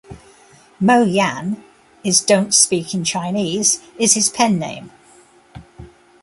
"Mo Yan" - is "don't speak" in Chinese - is his pen name.